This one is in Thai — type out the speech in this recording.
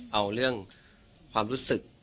เอาเรื่องความรู้สึก